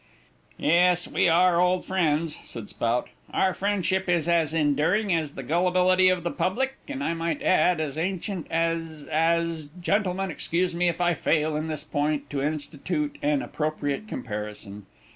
"Yes, we are old friends," said Spout, "our friendship is as enduring as the gullibility of the public, and I might add as ancient as as gentlemen excuse me if I fail in this point to institute an appropriate comparison.